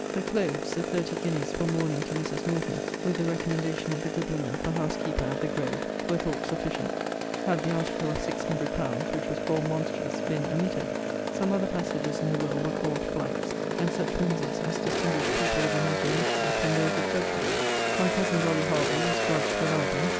The clothes, the thirty guineas for mourning to Mrs. Norton, with the recommendation of the good woman for housekeeper at The Grove, were thought sufficient, had the article of 600£. which was called monstrous, been omitted. Some other passages in the will were called flights, and such whimsies as distinguish people of imagination from those of judgment. My cousin Dolly Hervey was grudged the library.